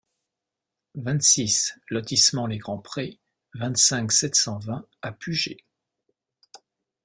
vingt-six lotissement les Grands Prés, vingt-cinq, sept cent vingt à Pugey